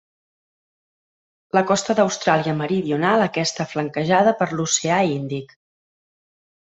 La costa d'Austràlia Meridional aquesta flanquejada per l'Oceà Índic.